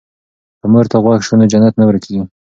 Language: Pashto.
که مور ته غوږ شو نو جنت نه ورکيږي.